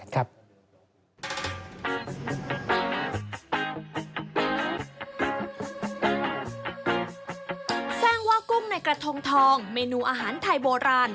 แจ้งว่ากุ้งในกระทงทองเมนูอาหารไทยโบราณ